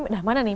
nah mana nih